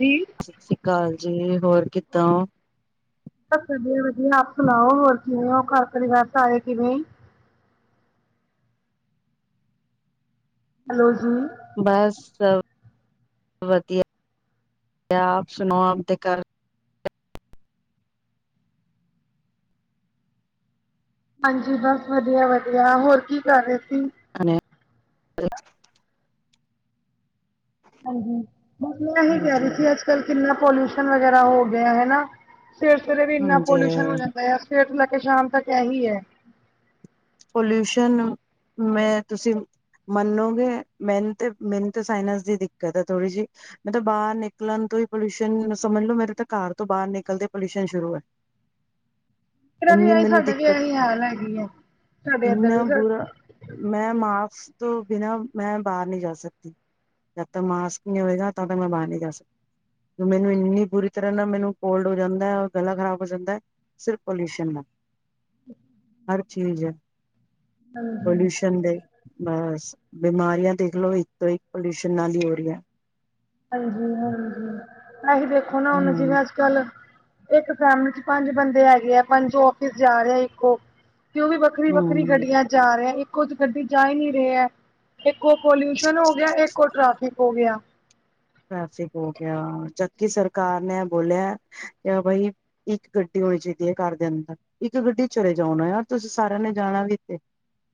ਜੀ। 'ਸਤਿ ਸ੍ਰੀ ਅਕਾਲ ਜੀ' ਹੋਰ ਕਿੱਦਾਂ, ਬਸ ਵਧੀਆ ਵਧੀਆ ਆਪ ਸੁਣਾਓ ਹੋਰ ਕਿਵੇਂ ਹੋ ਘਰ ਪਰਿਵਾਰ ਸਾਰੇ ਕਿਵੇਂ ਹੈਲੋ ਜੀ, ਬਸ ਸਭ, ਵਧੀਆ ਕਿਆ ਆਪ ਸੁਣਾਓ ਆਪ ਦੇ ਘਰ ਹਾਂਜੀ ਬਸ ਵਧੀਆ ਵਧੀਆ ਹੋਰ ਕੀ ਕਰ ਰਹੇ ਸੀ, ਖਾਣੇ ਆ ਹਾਂਜੀ, ਬਸ ਮੈਂ ਇਹੀ ਕਹਿ ਰਹੀ ਹਾਂਜੀ ਸੀ ਅੱਜ ਕੱਲ ਕਿੰਨਾ ਪੋਲਿਊਸ਼ਨ ਵਗੈਰਾ ਹੋ ਗਿਆ ਹਨਾ। ਸਵੇਰ ਸਵੇਰੇ ਵੀ ਇੰਨਾ ਪੋਲਿਊਸ਼ਨ ਹੋ ਹਾਂਜੀ ਜਾਂਦਾ ਹੈ ਸਵੇਰ ਤੋਂ ਲੈ ਕੇ ਸ਼ਾਮ ਤੱਕ ਇਹੀ ਹੈ, ਪੋਲਿਊਸ਼ਨ, ਮੈਂ ਤੁਸੀਂ ਮੰਨੋਗੇ, ਮੈਨੂੰ ਤੇ ਮੈਨੂੰ ਤੇ ਸਾਇਨਸ ਦੀ ਦਿੱਕਤ ਹੈ ਥੋੜੀ ਜਿਹੀ ਮੈਂ ਤਾਂ ਬਾਹਰ ਨਿਕਲਣ ਤੋਂ ਕੋਈ ਪੋਲਿਊਸ਼ਨ ਸਮਝ ਲੋੋ ਮੇਰੇ ਤਾਂ ਘਰ ਤੋਂ ਬਾਹਰ ਨਿਕਲਦੇ ਪੋਲਿਊਸ਼ਨ ਸ਼ੁਰੂ ਹੈ, ਤੇਰਾ ਵੀ ਇੰਨੀ ਇਹੀ ਮੈਨੂੰ ਸਾਡਾ ਵੀ ਦਿੱਕਤ ਇਹੀ ਹਾਲ ਹੈਗੀ ਹੈ। ਸਾਡੇ ਇੱਧਰ ਇੰਨਾ ਵੀ ਬੁਰਾ, ਮੈਂ ਮਾਸਕ ਤੋਂ ਬਿਨਾਂ ਮੈਂ ਬਾਹਰ ਨਹੀ ਜਾ ਸਕਦੀ, ਜਦ ਤੱਕ ਮਾਸਕ ਨਹੀਂ ਹੋਵੇਗਾ ਤਦ ਤੱਕ ਮੈਂ ਬਾਹਰ ਨਹੀਂ ਜਾ ਸਕਦੀ, ਮੈਨੂੰ ਇੰਨੀ ਬੁਰੀ ਤਰ੍ਹਾਂ ਨਾ ਮੈਨੂੰ ਕੋਲਡ ਹੋ ਜਾਂਦਾ ਹੈ, ਔਰ ਗਲਾ ਖ਼ਰਾਬ ਹੋ ਜਾਂਦਾ ਹੈ, ਸਿਰਫ ਪੋਲਿਊਸ਼ਨ ਨਾਲ [unintelligible] ਹਰ ਚੀਜ਼ ਪੋਲਿਊਸ਼ਨ ਦੇ ਬਸ ਬਿਮਾਰੀਆਂ ਦੇਖਲੋ ਇੱਕ ਤੋਂ ਇੱਕ ਪੋਲਿਊਸ਼ਨ ਨਾਲ ਹੀ ਹੋ ਰਹੀਆਂ, ਹਾਂਜੀ ਹਾਂਜੀ, ਅਸੀਂ ਦੇਖੋ ਨਾ ਹੁਣ, ਹੂੰ, ਜਿਵੇਂ ਅੱਜ ਕੱਲ ਇੱਕ ਫੈਮਲੀ ਚ ਪੰਜ ਬੰਦੇ ਹੈਗੇ ਹੈ ਪੰਜ ਆਫਿਸ ਜਾ ਰਹਾ ਇੱਕ ਉਹ ਤੇ ਉਹ ਵੀ ਵੱਖਰੀ ਵੱਖਰੀ ਹੂੰ ਗੱਡੀਆਂ ਜਾ ਰਹੇ ਹੈ ਇੱਕੋ ਗੱਡੀ ਜਾ ਹੀ ਨੀ ਰਹੇ ਹੈ, ਇੱਕ ਪੋਲਿਊਸ਼ਨ ਹੋ ਗਿਆ ਇੱਕ ਉਹ ਟਰੈਫਿਕ ਹੋ ਗਿਆ। ਟਰੈਫਿਕ ਹੋ ਗਿਆ ਜਦ ਕਿ ਸਰਕਾਰ ਨੇ ਬੋਲਿਆ, ਕੀ ਬਾਈ ਇੱਕ ਗੱਡੀ ਹੋਣੀ ਚਾਹੀਦੀ ਹੈ ਘਰ ਦੇ ਅੰਦਰ, ਇੱਕ ਗੱਡੀ ਚਲੇ ਜਾਉ ਨਾ ਯਾਰ ਤੁਸੀਂ ਸਾਰਿਆਂ ਨੇ ਜਾਣਾ ਵੀ ਇੱਥੇ,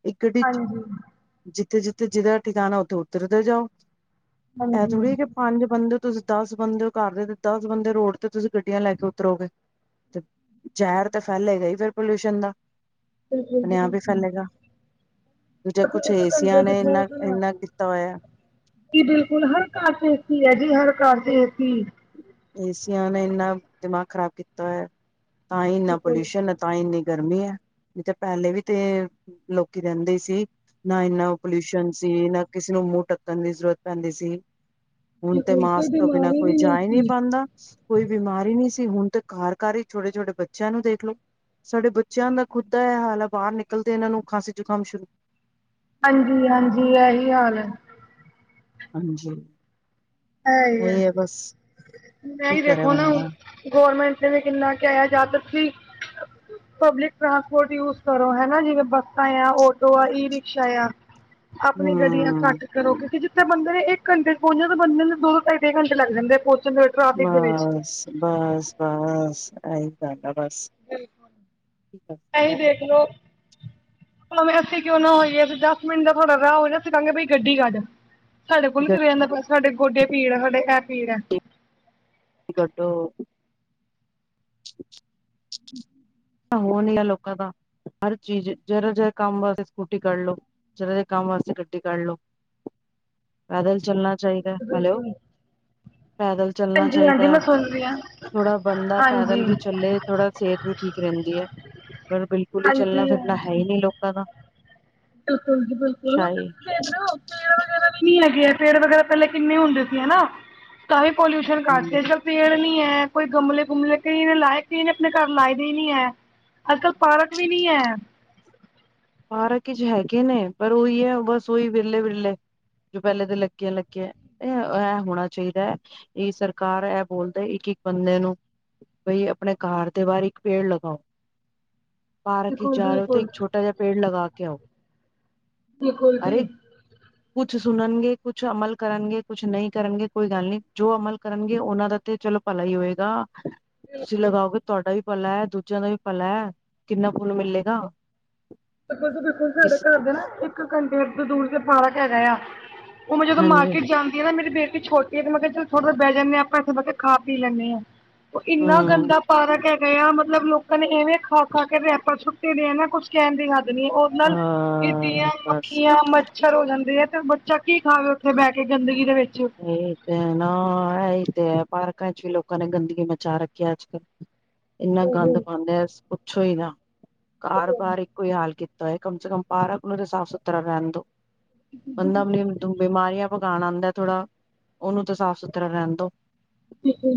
ਇੱਕ ਗੱਡੀ ਚ, ਹਾਂਜੀ-ਹਾਂਜੀ। ਜਿੱਥੇ-ਜਿੱਥੇ ਜਿਹਦਾ ਠਿਕਾਣਾ ਉੱਥੇ ਉਤਰਦੇ ਜਾਓ। ਇਹ ਹਾਂਜੀ, ਥੋੜ੍ਹੀ ਕਿ ਪੰਜ ਬੰਦੇ ਹੋ ਤੁਸੀਂ ਦਸ ਬੰਦੇ ਹੋ ਘਰ ਦੇ ਤੇ ਦਸ ਬੰਦੇ ਰੋਡ ਤੇ ਤੁਸੀਂ ਗੱਡੀਆਂ ਲੈ ਕੇ ਉਤਰੋਗੇ ਤੇ ਜ਼ਹਿਰ ਤਾਂ ਫੈਲੇਗਾ ਹੀ ਫਿਰ ਪੋਲਿਊਸ਼ਨ ਦਾ ਆਪਣੇ ਆਪ ਹੀ ਫੈਲੇਗਾ [unintelligible] ਦੂਜਾ ਕੁਛ ਏਸੀਆਂ ਨੇ ਇੰਨਾ ਇੰਨਾ ਕੀਤਾ ਹੋਇਆ ਜੀ ਬਿਲਕੁਲ ਹਰ ਘਰ ਚ ਕੀ ਹੈ ਜੀ। ਹਰ ਘਰ ਦੇ ਤੀ ਏ-ਸੀਆਂ ਨੇ ਇੰਨਾ ਦਿਮਾਗ ਖ਼ਰਾਬ ਕੀਤਾ ਹੋਇਆ ਤਾਂ ਹੀ ਇੰਨਾ ਬਿਲਕੁਲ। ਪੋਲਿਊਸ਼ਨ ਹੈ, ਤਾਂ ਹੀ ਇੰਨੀ ਗਰਮੀ ਐ। ਨਹੀਂ ਤਾਂ ਪਹਿਲੇ ਵੀ ਤੇ ਲੋਕੀ ਰਹਿੰਦੇ ਸੀ, ਨਾ ਇੰਨਾ ਪੋਲਿਊਸ਼ਨ ਸੀ, ਨਾ ਕਿਸੇ ਨੂੰ ਮੂੰਹ ਟੱਕਣ ਦੀ ਜ਼ਰੂਰਤ ਪੈਂਦੀ ਸੀ, ਹੁਣ ਤੇ ਮਾਸਕ ਤੋਂ ਬਿਨਾਂ ਬਿਮਾਰੀ ਕੋਈ ਵੀ ਨਹੀਂ ਜਾ ਹੀ ਨਹੀ ਸੀ ਬਣਦਾ, ਕੋਈ ਬਿਮਾਰੀ ਨਹੀਂ ਸੀ ਹੁਣ ਤੇ ਘਰ-ਘਰ ਹੀ ਛੋਟੇ- ਛੋਟੇ ਬੱਚਿਆਂ ਨੂੰ ਦੇਖ ਲਓ। ਸਾਡੇ ਬੱਚਿਆਂ ਦਾ ਖੁਦ ਦਾ ਇਹ ਹਾਲ ਆ, ਬਾਹਰ ਨਿਕਲਦੇ ਇਹਨਾਂ ਨੂੰ ਖਾਂਸੀ ਜ਼ੁਕਾਮ ਸ਼ੁਰੂ ਹਾਂਜੀ-ਹਾਂਜੀ, ਇਹੀ ਹਾਲ ਹੈ। ਹਾਂਜੀ। ਹੈ ਹੀ ਇਹੀ ਬਸ ਮੈਂ ਕੀ ਹੀ ਕਰੇ ਦੇਖੋ ਨਾ ਬੰਦਾ ਗੌਰਮੈਂਟ ਕਿੰਨਾ ਕਹਿ ਜਦਕਿ ਪਬਲਿਕ ਟ੍ਰਾਂਸਪੋਰਟ ਯੂਜ ਕਰੋ ਹਨਾ, ਜਿਵੇਂ ਬੱਸਾਂ, ਆਟੋ ਆ, ਈ ਰਿਕਸ਼ਾ ਆ ਆਪਣੀ ਗੱਡੀਆਂ ਆਂ ਹੂੰ ਘੱਟ ਕਰੋ। ਕਿਉਂਕਿ ਜਿੱਥੇ ਬੰਦੇ ਨੇ ਇੱਕ ਘੰਟੇ ਚ ਪਹੁੰਚੇ ਤਾਂ ਬੰਦੇ ਨੂੰ ਦੋ ਢਾਈੇ ਘੰਟੇ ਲੱਗ ਜਾਂਦੇ ਪੁ ਬਾਸ ਬਾਸ ਬਾਸ ਆਈ ਘਾਟਾ ਬਿਲਕੁਲ! ਐ ਈ ਸਕਦਾ ਬੰਦਾ ਦੇਖਲੋ ਭਾਵੇਂ ਅਸੀਂ ਕਿਉਂ ਨਾ ਹੋਈਏ, ਅਸੀ ਦੱਸ ਮਿੰਟ ਦਾ ਤੁਹਾਡਾ ਰਾਹ ਹੋ, ਅਸੀਂ ਕਹਾਂਗੇ ਬਾਈ ਗੱਡੀ ਕੱਢ ਸਾਡੇ ਕੋਲ ਨਹੀ ਤੁਰੀਆ ਗੱਡੀ ਜਾਂਦਾ। ਬਸ ਸਾਡੇ ਗੋਡੇ ਪੀੜ ਹੈ। ਸਾਡੇ ਇਹ ਪੀੜ ਐ ਗੱਡੋ [inaudible] ਹੋ ਨ ਆ ਲੋਕਾਂ ਦਾ ਹਰ ਚੀਜ਼ ਜਰਾ ਜੀ ਕੰਮ ਵਾਸਤੇ ਸਕੂਟੀ ਕੱਢ ਲੋ ਜਿਰਾ ਜਿਹਾ ਕੰਮ ਵਾਸਤੇ ਗੱਡੀ ਕੱਢ ਲੋ, ਪੈਦਲ ਚੱਲਣਾ ਚਾਹੀਦਾ। ਹੈਲੋ ਪੈਦਲ ਚੱਲਣਾ ਹਾਂਜੀ ਚਾਹੀਦਾ ਹਾਂਜੀ ਹੈ। ਮੈਂ ਸੁਣ ਰਹੀ ਹਾਂ ਥੋੜਾ ਬੰਦਾ ਹਾਂਜੀ ਪੈਦਲ ਵੀ ਚੱਲੇ। ਥੋੜਾ ਸਿਹਤ ਵੀ ਠੀਕ ਰਹਿੰਦੀ ਐ। ਪਰ ਬਿਲਕੁਲ ਹੀ ਚੱਲਣਾ ਫਿਰਨਾ ਹਾਂਜੀ ਹੈ ਹੀ ਨਹੀ ਲੋਕਾਂ ਦਾ। ਬਿਲਕੁਲ ਜੀ, ਬਿਲਕੁਲ ਹੁਣ ਸ਼ਾਹੀ ਤੁਸੀਂ ਦੇਖ ਹੋ ਵਗੈਰਾ ਪੇੜ ਵਗੈਰਾ ਪਹਿਲੇ ਕਿੰਨੇ ਹੁੰਦੇ ਸੀ ਹਨਾ। ਤਾਂ ਵੀ ਪੋਲਿਊਸ਼ਨ ਹੂੰ ਕਰਦੇ ਪੇੜ ਨ ਹੈ। ਕੋਈ ਗਮਲੇ ਗੁਮਲੇ ਕਿਸੇ ਨੇ ਲਾਏ, ਕਿਸੇ ਨੇ ਆਪਣੇ ਘਰ ਲਾਏ ਦੇ ਹੀ ਨੀ ਐ। ਅੱਜ ਕੱਲ ਪਾਰਕ ਵੀ ਨੀ ਐ। ਪਾਰਕ ਝ ਹੈਗੇ ਨੇ, ਪਰ ਓਹੀ ਹੈ। ਬੱਸ ਉ ਓਹੀ ਵਿਰਲੇ-ਵਿਰਲੇ ਜੋ ਪਹਿਲੇ ਤਾਂ ਲੱਗਿਆ ਲੱਗਿਆ, ਇਹ ਐ ਹੋਣਾ ਚਈਦਾ ਐ। ਇਹ ਸਰਕਾਰ ਐਹ ਬੋਲਦੇ ਹ ਕਿ ਬੰਦੇ ਨੂੰ, ਬਈ ਆਪਣੇ ਘਰ ਦੇ ਬਾਹਰ ਇੱਕ ਪੇੜ ਲਗਾਓ। ਪਾਰਕ ਵਿੱਚ ਬਿਲਕੁਲ ਜਾ ਰਹੇ ਹੋ, ਤੇ ਬਿਲਕੁਲ ਇੱਕ ਛੋਟਾ ਜਿਹਾ ਪੇੜ ਲਗਾ ਕੇ ਆਓ। ਬਿਲਕੁਲ ਅਰੇ ਜੀ! ਕੁਛ ਸੁਣਨਗੇ ਕੁੱਛ ਅਮਲ ਕਰਨਗੇ, ਕੁੱਛ ਨਹੀਂ ਕਰਨਗੇ, ਕੋਈ ਗੱਲ ਨਹੀਂ। ਜੋ ਅਮਲ ਕਰਨਗੇ, ਉਹਨਾਂ ਦਾ ਤੇ ਚਲੋ ਭਲਾ ਹੋਏਗਾ‌। ਤੁਸੀਂ ਲਗਾਓਗੇ, ਤੁਹਾਡਾ ਵੀ ਭਲਾ ਹੈ। ਦੂਜਿਆਂ ਦਾ ਵੀ ਭਲਾ ਹੈ। ਕਿੰਨਾ ਫੁੱਲ ਮਿਲੇਗਾ। ਦੇਖੋ, ਸਾਡੇ ਕਿਸ ਘਰ ਦੇ ਨਾ ਇੱਕ ਘੰਟੇ ਕ ਦੂਰ ਤੇ ਪਾਰਕ ਹੈਗਾਯਾ। ਉਹ, ਮੈਂ ਜਦੋਂ ਹਾਂਜੀ ਮਾਰਕੀਟ ਜਾਂਦੀ ਆ ਨਾ, ਮੇਰੇ ਬੇ ਛੋਟੀ ਹੈ, ਤੇ ਮੈ ਕਿਹਾ ਚਲ ਥੋੜਾ ਜਾ ਬਹਿ ਜਾਣੇ ਆ ਆਪਾਂ ਇੱਥੇ ਬਹਿ ਕੇ ਖਾ-ਪੀ ਲੈਂਣੇ ਆ। ਉਹ ਇੰਨਾ ਹਮ ਗੰਦਾ ਪਾਰਕ ਐ। ਗਿਆ, ਮਤਲਬ ਲੋਕਾਂ ਨੇ ਇਵੇਂ ਖਾ-ਖਾ ਕੇ ਰੈਪਰ ਸੁੱਟੇ ਦੇ ਐਨਾ ਕੁੱਛ ਕਹਿਣ ਦੀ ਹੱਦ ਓਸ ਨਾਲ ਹਾਂ ਇਧੀਆਂ ਬਸ ਮੱਖੀਆਂ, ਮੱਛਰ ਹੋ ਜਾਂਦੇ ਤੇ ਫੇਰ ਬੱਚਾ ਕੀ ਖਾਵੇ ਉੱਥੇ ਬਹਿ ਕੇ ਗੰਦਗੀ ਦੇ ਵਿੱਚ ਇਹ ਤੇ ਨਾ ਆਈ ਤੇ ਐ। ਪਾਰਕਾਂ ਚ, ਵੀ ਲੋਕਾਂ ਨੇ ਗੰਦਗੀ ਮਚਾ ਰੱਖੀ ਐ। ਅੱਜਕੱਲ ਇੰਨਾ ਗੰਦ ਪਾਉਦੇਂ ਐ। ਪੁੱਛੋ ਹੀ ਨਾ। ਕਾਰਬਾਰ ਇੱਕੋ ਹੀ ਹਾਲ ਕੀਤਾ ਹੈ। ਕਮ ਸੇ ਕਮ ਪਾਰਕ ਨੂੰ ਸਾਫ਼ ਸੁਥਰਾ ਰਹਿਣ ਦੋ। ਬੰਦਾ ਤੋਂ ਆਪ ਬਿਮਾਰੀਆਂ ਪੁਕਾਣ ਆਉਦਾਂ। ਥੋੜਾ, ਓ ਨੂੰ ਤਾਂ ਸਾਫ਼ ਸੁਥਰਾ ਰਹਿਣ ਦੋ।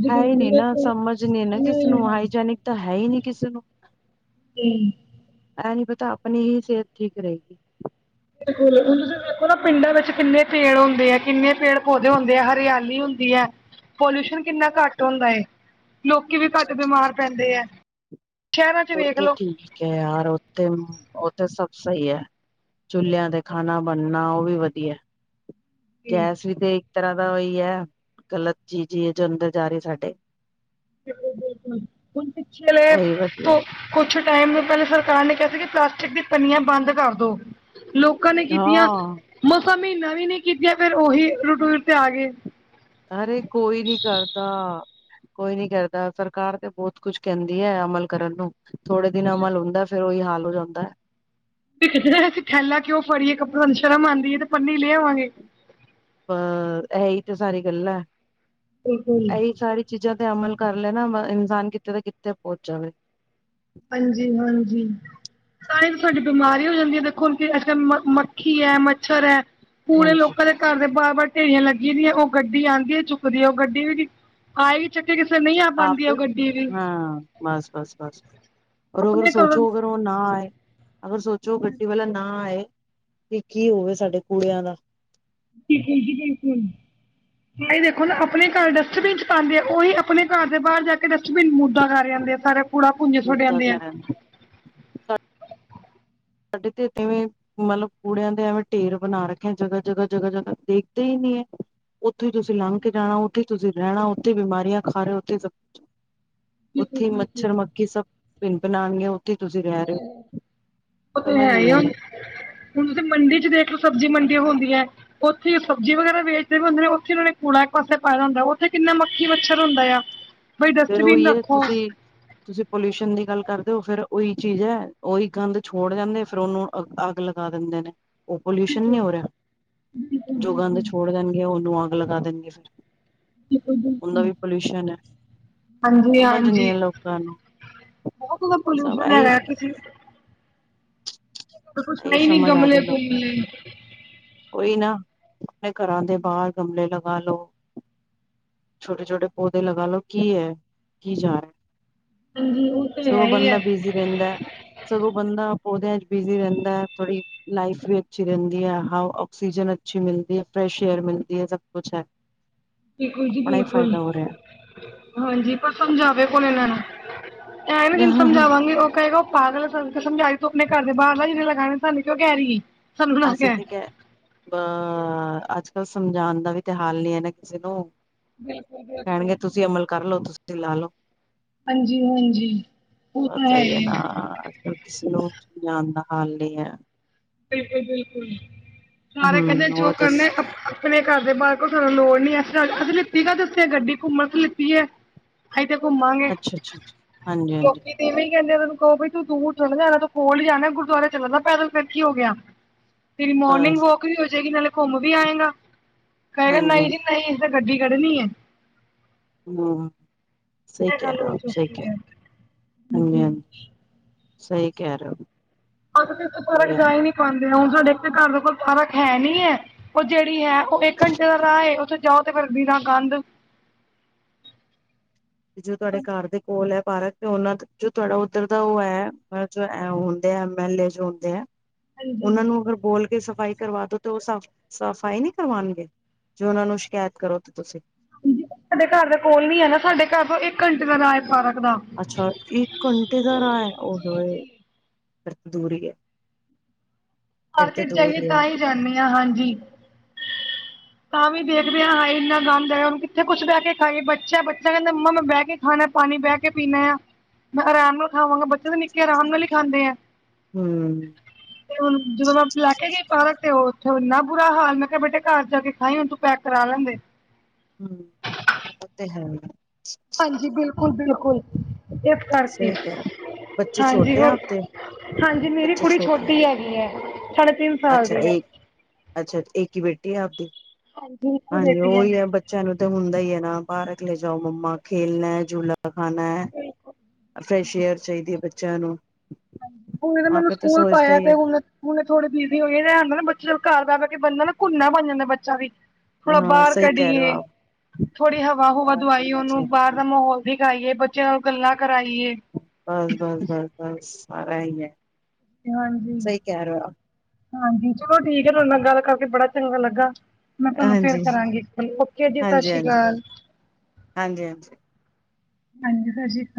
ਹੈ ਹੀ ਨੀ ਨਾ। ਸਮਝ ਨੀ ਨਾ ਕਿਸੇ ਨੂੰ, ਹਾਈਜੈਨਿਕ ਤਾਂ ਹੈ। ਹੀ ਨੀ ਕਿਸੇ ਨੂੰ। [unintelligible] ਤਾਂ ਆਪਣੀ ਹੀ ਸਿਹਤ ਠੀਕ ਰਹੇਗੀ। ਬਿਲਕੁੱਲ ਹੁਣ ਤੁਸੀਂ ਦੇਖੋ ਨਾ ਪਿੰਡਾਂ ਵਿੱਚ ਕਿੰਨੇ ਪੇੜ ਹੁੰਦੇ ਆ, ਕਿੰਨੇ ਪੇੜ ਪੌਦੇ ਹੁੰਦੇ ਆ। ਹਰਿਆਲ ਹੁੰਦੀ ਹੈ। ਪੋਲਿਊਸ਼ਨ ਕਿੰਨਾ ਘੱਟ ਹੁੰਦਾ ਏ। ਲੋਂਕੀ ਵੀ ਘੱਟ ਬਿਮਾਰ ਪੈਦੇਂ ਐ। ਉੱਥੇ ਠੀਕ ਹੈ। ਯਾਰ ਉੱਥੇ, ਉੱਥੇ ਸ। ਸਹੀ ਹੈ। ਚੁੱਲਿਆ ਤੇ ਖਾਣਾ ਬਣਨਾ ਓ ਵੀ ਵਧੀਆ ਏ। ਜੀ ਗੈਸ ਵੀ ਤੇ ਇਸ ਤਰ੍ਹਾਂ ਦਾ ਹੀ ਹੈ। ਗਲਤ ਚੀਜ਼ ਹੀ ਜੋ ਅੰਦਰ ਜਾ ਰਹੀ ਸਾਡੇ। ਬਿਲਕੁੱਲ ਬਿਲਕੁੱਲ ਹੁਣ ਪਿੱਛਲੇ ਉਹੀ ਤੋ ਵਧੀਆ ਕੁੱਛ ਟਾਈਮ ਪਹਿਲੇ ਸਰਕਾਰ ਨੇ ਕਿਹਾ ਸੀ। ਕਿ ਪਲਾਸਟਿਕ ਦੀ ਪੰਨੀਆਂ ਬੰਦ ਕਰ ਦੋ ਲੋਕਾਂ ਨੇ ਕੀਤੀਆਂ ਕ ਹਾਂ ਮਹੀਨਾ ਵੀ ਨਹੀਂ ਕੀਤੀਆ ਫੇਰ ਉਹੀ ਰਟੂਰ ਤੇ ਆ ਗਏ। ਅਰੇ ਕੋਈ ਨੀ ਕਰਦਾ ਕੋਈ ਨੀ ਕਰਦਾ ਸਰਕਾਰ ਤੇ ਬਹੁਤ ਕੁਝ ਕਹਿੰਦੀ ਹੈ। ਅਮਲ ਕਰਨ ਨੂੰ ਥੋੜੇ ਦਿਨ ਅਮਲ ਹੁੰਦਾ ਫੇਰ ਉਹੀ ਹਾਲ ਹੋ ਜਾਂਦਾ ਐ। ਜ ਅਸੀਂ ੈਲਾ ਕਿਉਂ ਫੜੀਏੱਪੜਿਆਂ ਨੂੰ ਸ਼ਰਮ ਆਉਂਦੀ ਹੈ ਤੇ ਪੰਨੀ ਲੈ ਆਵਾਂਗੇ ਅ ਇਹੀ ਤਾਂ ਸਾਰੀ ਗੱਲ ਹੈ ਬਿਲਕੁਲ ਇਹੀ ਸਾਰੀ ਚੀਜ਼ਾਂ ਤੇ ਅਮਲ ਕਰ ਲਏ ਨਾ ਇਨਸਾਨ ਕਿੱਥਤੇ ਦਾ ਕਿੱਥੇ ਪਹੁੰਚ ਜਾਵੇ ਹਾਂਜੀ ਹਾਂਜੀ ਸਣੇ ਤੁਹਾਡੀ ਬਿਮਾਰ ਹੋ ਜਾਂਦੀ ਹੈ ਦੇਖੋ ਹੁਣ ਕੀ ਅੱਜ ਕੱਲ ਮ ਮੱਖੀ ਹੈ ਮੱਛਰ ਹੈ ਪੂਰੇ ਹਾਂਜੀ ਲੋਕਾਂ ਦੇ ਘਰ ਦੇ ਬਰ ਬ ਢੇਰੀਆਂ ਲੱਗੀ ਦੀਆਂ ਉਹ ਗੱਡੀ ਆਉਂਦੀ ਚੁੱਕਦੀ ਉਹ ਗੱਡੀ ਵੀ ਆਹੀ ਆਪ ਹਾਂ ਬਸ ਬਸ ਬਸ ਔਰ ਅਗਰ ਆਪਣੇ ਘਰੋਂ ਸੋਚੋ ਅਗਰ ਉਹ ਨਾ ਆਏ ਅਗਰ ਸੋਚੋ ਗੱਡੀ ਵਾਲਾ ਨਾ ਆਏ ਤੇ ਕੀ ਹੋਵੇ ਸਾਡੇ ਕੁੜਿਆਂ ਦਾ ਹੀ ਹੀ ਹੀ ਬਿਲਕੁਲ ਭਾਈ ਦੇਖੋ ਨਾ ਆਪਣੇ ਘਰ ਡਸਟਬਿਨ ਚ ਪਾਉਂਦੇ ਆ ਉਹੀ ਆਪਣੇ ਘਰ ਦੇ ਬਾਹਰ ਜਾ ਕੇ ਡਸਟਬਿਨ ਮੂਦਾ ਕਰ ਰਿਹਾ ਸਾਰਾ ਕੂੜਾ ਭੁੰਜੇ ੋਡੇ ਮੁੱਦਾ ਆਦੇ ਆ ਕਰਨ ਸਾਡੇ ਤੇਵੇਂ ਮਤਲਬ ਕੂੜਿਆਂ ਦੇ ਐਵੇਂ ਢੇਰ ਬਣਾ ਰੱਖੇ ਜਗ੍ਹਾ ਜਗ੍ਹਾ ਜਗ੍ਹਾ ਜਗ੍ਹਾ ਦੇਖਦੇ ਹੀ ਨਹੀਂ ਉਥੇ ਹੀ ਹ ਉੱਥੇ ਤੁਸੀਂ ਲੰਘ ਕੇ ਜਾਣਾ ਉੱਥੇ ਤੁਸੀਂ ਰਹਿਣਾ ਉੱਥੇ ਬਿਮਾਰੀਆਂ ਖਾ ਰਹੇ ਉੱਥੇ ਸ ਉੱਥੇ ਮੱਛਰ ਮੱਕੀ ਸਭ ਭਿੰਨ ਭਨ ਆਉਣਗੀਆਂ ਉੱਥੇ ਤੁਸੀਂ ਰਹਿ ਰਹੇ ਹੋ ਉਹ ਤਾਂ ਸਮਝ ਹੈ ਨੀ ਹੀ ਹੁਣ ਆਣਾ ਹੁਣ ਤੁਸੀਂ ਮੰਡੀ ਚ ਦੇਖ ਲਓ ਸਬਜ਼ੀ ਮੰਡੀ ਹਣ ਉੱਥੇ ਉਹ ਸਬਜ਼ੀ ਵਗੈਰਾ ਵੇਚਦੇ ਵੀ ਹੁੰਦੇ ਨੇ ਉੱਥੇ ਉਹਨਾਂ ਨੇ ਕੂੜਾ ਇੱਕ ਪਾਸੇ ਪਾਇਏਦਾ ਹੁੰਦਾ ਉੱਥੇ ਕਿੰਨਾ ਮੱਖੀ ਮੱਛਰ ਹੁੰਦਾ ਆ ਬਈ ਫੇਿਰ ਉਹੀ ਡਸਟਬਿਨ ਹੈ ਰੱਖੋ ਤੁਸੀਂ ਤੁਸੀਂ ਪੋਲਿਊਸ਼ਨ ਦੀ ਗੱਲ ਕਰਦੇ ਹੋ ਫੇਿਰ ਉਹੀ ਚੀਜ਼ ਹੈ ਉਓਹੀ ਗੰਧ ਛੋੜ ਜਾਂਦੇ ਫੇਿਰ ਉਹਨੂੰ ਅ ਅੱਗ ਲਗਾ ਦਿੰਦੇ ਨੇ ਉਹ ਪੋਲਿਊਸ਼ਨ ਨਹੀਂੀ ਹੋ ਰਿਹਾ ਜੋ ਗੰਦ ਛੋੜ ਦੇਣਗੇ ਉਹਨੂੰ ਅੱਗ ਲਗਾ ਦੇਣਗੇ ਫਿਰ ਉਹਦਾ ਵੀ ਪੋਲਿਊਸ਼ਨ ਹੈ ਹਾਂਜੀ ਸਮਝ ਨੀ ਹਾਂਜੀ ਹੈ ਲੋਕਾਂ ਨੂੰ ਬਹੁਤਦਾ ਸਭ ਪੋਲਿਊਸ਼ਨ ਇਹੀ ਹੈਗਾ ਕੁਛ ਹੈ ਇਹੀ ਹੀ ਨੀ ਸਮਝ ਗਮਲੇ ਗਮਲੇ ਕੋਈ ਨਾ ਆਪਣੇ ਘਰਾਂ ਦੇ ਬਾਹਰ ਗਮਲੇ ਲਗਾ ਲੋ ਛੋਟੇ ਛੋਟੇ ਪੌਦੇ ਲਗਾ ਲੋ ਕੀ ਹੈ ਕੀ ਜਾਏ ਹਾਂਜੀ ਉਹ ਤੇ ਸਗੋਂ ਹੈ ਹੀ ਬੰਦਾ ਹੈ ਬਿਜੀ ਰਹਿੰਦਾ ਸਗੋਂ ਬੰਦਾ ਪੌਦਿਆਂ ਚ ਬਿਜੀ ਰਹਿੰਦਾ ਹੈ ਥੋੜੀ ਲਾਈਫ ਵੀ ਅੱਛੀ ਰਹਿੰਦੀ ਹੈ ਹ ਕਸੀਜਨ ਅਛੀ ਮਿਲਦੀ ਹੈ ਫਰੈਸ਼ ਏਅਰ ਮਿਲ ਹਾ ਸਭ ਕੁਛ ਹੈ ਬਿਲਕੁਲ ਜੀ ਆਪਣਾ ਹੀ ਬਿਲਕੁਲ ਫਾਇਦਾ ਹੋ ਹਾਂਜੀ ਪਰ ਸਮਝਾਵੇ ਕੋਣ ਇਹਨਾਂ ਨੂੰ ਐਂ ਵੀ ਤੈਨੂੰ ਰਿਹਾ ਸਮਝਾਵਾਂਗੇ ਉਹ ਕ ਹੈਗਾ ਪਾਗਲ ਸਾਨੂੰ ਸਮਝ ਆਈ ਤੋਂ ਆਪਣੇ ਘਰ ਦੇ ਬਾਹਰ ਘਰ ਦੇ ਬਾਹਰ ਲਗਾਏ ਨੇ ਫਿਰ ਸਾਨੂੰ ਕੀ ਕਹਿ ਰਹੀ ਹੈ ਸਾਨੂੰ ਨਾ ਕਹਿ ਅਸੀਂਥ ਕਿ ਅ ਅਜ ਚ ਸਮਝਾਉਣ ਦਾ ਵੀ ਤੇ ਹਾਲ ਨੀ ਹੈ ਨਾ ਕਿਸੇ ਨੂੰ ਕਹਿਣਗੇ ਤੁਸੀਂ ਅਮਲ ਕਰ ਲਓ ਤੁਸੀਂ ਤੇ ਲਾ ਹਾਂਜੀ ਹਾਂਜੀ ਉਹ ਲਓ ਤਾਂ ਸਹੀ ਹੈ ਹੀ ਨਾ ਅੱਜ ਕੱਲ ਕਿਸੇ ਨੂੰ ਨਹੀਂ ਆਉਂਦਾ ਹਾਲ ਨਹੀਂ ਹੈ ਬਿਲਕੁਲ ਬਿਲਕੁਲ ਸਾਰੇ ਕਹਿੰਦੇ ਹਮ ਜੋ ਹੋਰ ਦੱਸ ਕਰਨੇ ਆਪਣੇ ਘਰ ਦੇ ਬਾਹਰ ਕੋਲ ਸਾਨੂੰ ਲੋੜ ਨੀ ਹੈ ਅਸ ਲਿੱਤੀਗਾ ਦੱਸਿਆ ਗੱਡੀ ਘੁੰਮਣ ਅਸ ਲਿੱਤੀ ਹੈ ਥੇ ਘੁੰਮਾਂਗੇ ਅੱਛਾ ਅੱਛਾ ਅੱਛਾ ਹਾਂਜੀ ਹਾਂਜੀ ਲੋਕੀ ਦੀਵੇਂ ਕਹਿੰਦੇ ਤੈਨੂੰ ਕਹ ਬਈ ਤੂੰ ਦੂਰ ਚਲਾ ਜਾਣਾ ਤੂੰ ਕੋਲ ਹੀਈ ਜਾਣਾ ਗੁਰਦੁਆਰੇ ਚੱਲਦਾ ਪੈਦਲ ਫਿਰ ਕੀ ਹੋ ਗਿਆ ਫਰੀ ਮੋਰਨਿੰਗ ਬਸ ਵੋਕ ਵੀ ਹੋ ਜਾਏਗੀ ਨਾਲੇ ਘੁੰਮ ਵੀ ਆਏਗਾ ਕਹੇਗਾ ਹਾਂਜੀ ਨਹੀਂ ਜੀ ਨਹੀਂ ਗੱਡੀ ਕੱਢਣੀ ਹੈ ਹਮ ਸਹੀ ਇਹ ਕਹਿ ਗੱਲ ਰਹੇ ਹੋ ਔ। ਸਹੀ ਚੁੱਕੀ ਕਹਿ ਰ ਹੈ। ਹਾਂਜੀ, ਹਾਂਜੀ। ਸਹੀ ਕਹਿ ਰਹੇ ਹੋ। ਅਗ ਤੇ ਸਹੀ ਫਰਕ ਹੈ ਜਾ ਨਾ ਹੀ ਨੀ ਪਾਂਦਾ। ਹੁ ਸਾਡੇ ਘਰ ਦੇ ਕੋਲ ਪਾਰਕ ਹੈ ਨੀ ਐ। ਉਹ ਜਿਹੜੀ ਹੈ ਉਹ ਇੱਕ ਘੰਟੇ ਦਾ ਰਾਹ ਹੈ ਉੱਥੇ ਜਾਓ ਤੇ ਕਰਦੀ ਦਾ ਕੰਧ। ਤੇ ਜੋ ਤੁਹਾਡੇ ਘਰ ਦੇ ਕੋਲ ਐ। ਪਾਰਕ ਉਹਨਾਂ ਦਾ ਜੋ ਤੁਹਾਡਾ ਉੱਧਰ ਦਾ ਉਹ ਹੈ ਜੋ ਹੁੰਦੇ ਆ ਐਮ ਐਲ ਏ ਜੋ ਹੁੰਦੇ ਐ। ਉਹਨਾਂ ਨੂੰ ਅਗਰ ਬੋਲ ਕੇ ਸਫ਼ਾਈ ਕਰਵਾ ਦੋ ਤੇ ਉਹ ਸ ਸਫ਼ਾਈ ਨਹੀਂ ਕਰਵਾਣਗੇ ਜੋੇ ਉਹਨਾਂ ਨੂੰ ਸ਼ਿਕਾਇਤ ਕਰੋ ਤੇ ਤੁਸੀਂ। ਸਾਡੇ ਘਰ ਦੇ ਕੋਲ ਨੀ ਹੈ ਨਾ ਸਾਡੇ ਘਰ ਤੋਂ ਇੱਕ ਘੰਟੇ ਦਾ ਰਾਹ ਏ ਪਾਰਕ। ਦਾ। ਅੱਛਾ, ਇੱਕ ਘੰਟੇ ਦਾ ਰਾਹ ਐ ਉਹ ਹੋ। ਫੇਰ ਤੇ ਦੂਰ ਈ ਐ। ਮਾਰਕਿਟ ਜਾਈਏ ਤਾਂ ਹੀ ਜਾਂਨੀ ਹਾ, ਹਾਂਜੀ। ਤਾਂ ਵੀ ਦੇਖਦੇ ਹਾਂ ਹਾਂਏ ਇੰਨਾ ਗੰਦ ਹੈਗਾ ਹੁਣ ਕਿੱਥੇ ਕੁੱਛ ਬਹਿ ਕੇ ਖਾਈਏ। ਬੱਚਾ, ਬੱਚਾ ਕਹਿੰਦੇ ਮੰਮਾ ਮੈਂ ਬਹਿ ਕੇ ਖਾਣਾ ਪਾਣੀ ਪਾਣੀ ਬਹਿ ਕੇ ਪੀਣਾ। ਮੈਂ ਆਰਾਮ ਨਾਲ ਖਾਵਾਂਗਾ ਬੱਚੇ ਤਾਂ ਨਿੱਕੇ ਆਰਾਮ ਨਾਲ ਹੀ ਖਾਂਦੇ ਐ। ਹੂੰ। ਜਦੋਂ ਮੈਂ ਲੈ ਕੇ ਗਈ ਪਾਰਕ ਤੇ ਉਥੇ ਇਨਾ ਬੁਰਾ ਹਾਲ ਮੈਂ ਕਿਹਾ ਬੇਟੇ ਘਰ ਜਾ ਕੇ ਖਾਈ ਹੁਣ ਤੂੰ ਪੈਕ ਕਰਾ ਲੈਂਦੇ। ਹੂੰ। ਐ ਤੇ ਹੈ। ਹਾਂਜੀ, ਬਿਲਕੁਲ- ਬਿਲਕੁਲ। ਪੇਠ ਕਰਕੇ। ਸਹੀ ਕਿਹਾ ਬੱਚੇ ਹਾਂਜੀ। ਛੋਟੇ ਹੈ ਹੋਰ। ਆਪਦੇ ਹਾਂਜੀ, ਮੇਰੀ ਬੱਚੇ ਕੁੜੀ ਛੋਟੇ ਛੋਟੀ ਹੈਗੀ ਐ। ਅੱਛਾ, ਇੱਕ ਅੱਛਾ ਇੱਕ ਹੀ ਬੇਟੀ ਹੈ ਆਪਦੀ ਇੱਕੋ ਹਾਂਜੀ, ਬੇਟੀ ਉਹੀ ਮੇਰੀ ਹੈ ਬੱਚਿਆਂ ਨੂੰ ਤਾਂ ਹੁੰਦਾ ਹੀ ਹੈ ਨਾ ਬਾਹਰ ਲੈ ਜਾਓ। ਮੰਮਾ ਖੇਲਣਾ, ਝੂਲਾ, ਖਾਣਾ, ਫਰੈਸ਼ ਏਅਰ ਚਾਹੀਦੀ ਐ ਬੱਚ ਚਲੋ। ਹੁਣੇ ਤੇ ਮੈ ਏਨੂੰ ਸਕੂਲ ਪਾਇਆ ਹੀ ਤੇ ਹੈ ਹੁਣ ਹੁਣੇ ਥੋੜੇ ਵੀਰ ਚਲੋ ਇਹ ਹੁੰਦਾ ਨਾ ਬੱਚੇ ਜਦੋਂ ਘਰ ਬ ਬਹਿ ਕੇ ਬਣਦਾ ਨਾ ਘੁੰਨਾ ਬਣ ਜਾਂਦਾ ਬੱਚਾ ਵੀ। ਥੋੜਾ ਹਾਂ ਬਾਹਰ ਸਹੀ ਕਹਿ ਰਹੇ ਹੋ ਕੱਢੀਏ ਆਪ ਥੋੜੀ ਹਵਾ ਹੁਵਾ ਬਾਹਰ ਦਵਾਈ ਖੇਲਣਾ ਉਹਨੂੰ ਚਾਹੀਦਾ ਬਾਹਰ ਦਾ ਮਾਹੌਲ ਦਿਖਾਈਏ ਬੱਚਿਆਂ ਨਾਲ ਗੱਲਾਂ ਕਰਾਈਏ। ਬਸ ਬਸ ਬਸ [inaudible] ਹਾਂਜੀ, ਸਹੀ ਕਹਿ ਰਹੇ ਹੋ ਆਪ ਹਾਂਜੀ। ਚਲੋ ਠੀਕ ਹੈ ਤਾਡੇ ਨਾਲ ਗੱਲ ਕਰ ਬੜਾ ਚੰਗਾ ਲੱਗਾ। ਮੈਂ ਤੁਹਾਨੂੰ ਫੇਰ ਹਾਂਜੀ ਕਰਾਂਗੀ ਗੱਲ। ਓਕੇ ਜੀ। ਸਤਿ ਹਾਂਜੀ ਸ੍ਰੀ ਹਾਂਜੀ ਅਕਾਲ। ਹਾਂਜੀ, ਹਾਂਜੀ। ਹਾਂਜੀ, ਸਤਿ ਸ਼੍ਰੀ ਅਕਾਲ।